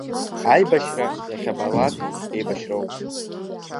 Аибашьра иахьабалаак еибашьроуп.